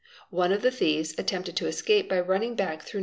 One of the thieves attempted to escape by running back through No.